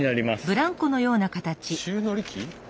宙乗り機？